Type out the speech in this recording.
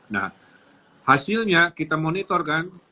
nah hasilnya kita monitor kan